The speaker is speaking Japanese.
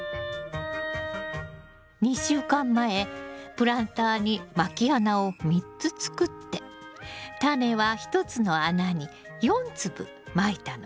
２週間前プランターにまき穴を３つ作ってタネは１つの穴に４粒まいたのよね。